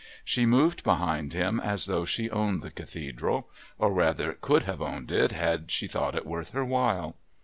She moved behind him as though she owned the Cathedral, or rather could have owned it had she thought it worth her while.